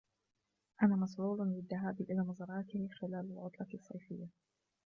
انا مسرور للذهاب الى مزرعته خلال العطلة الصيفية.